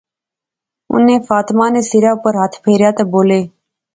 انیں فاطمہ نے سرے اوپر ہتھ پھیریا تہ بولے